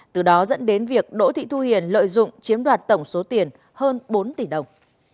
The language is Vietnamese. từ đó dẫn đến việc đỗ thị thu hiền lợi dụng chiếm đoạt tổng số tiền hơn bốn tỷ đồng